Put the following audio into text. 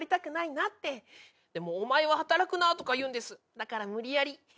だから無理やり。